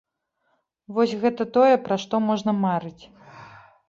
Вось гэта тое, пра што можна марыць.